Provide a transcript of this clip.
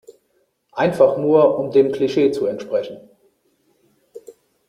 Einfach nur um dem Klischee zu entsprechen.